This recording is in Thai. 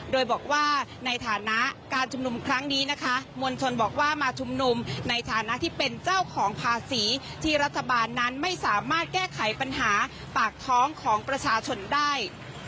โดยบอกว่าในฐานะการชุมนุมครั้งนี้นะคะมวลชนบอกว่ามาชุมนุมในฐานะที่เป็นเจ้าของภาษีที่รัฐบาลนั้นไม่สามารถแก้ไขปัญหาปากท้องของประชาชนได้